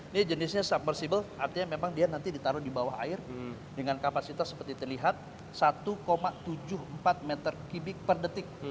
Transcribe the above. ini jenisnya submersible artinya memang dia nanti ditaruh di bawah air dengan kapasitas seperti terlihat satu tujuh puluh empat meter kubik per detik